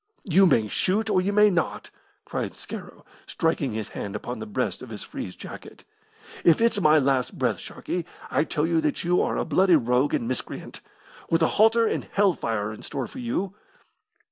"You may shoot, or you may not!" cried Scarrow, striking his hand upon the breast of his frieze jacket. "If it's my last breath, Sharkey, I tell you that you are a bloody rogue and miscreant, with a halter and hell fire in store for you!"